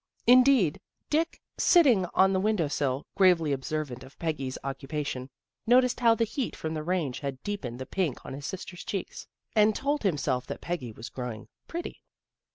Indeed Dick, sitting on the window sill, gravely observant of Peggy's oc cupation, noticed how the heat from the range had deepened the pink on his sister's cheeks, and told himself that Peggy was growing pretty.